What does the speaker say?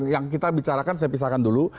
yang kita bicarakan saya pisahkan dulu